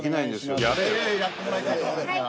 やってもらいたいと思うんですが。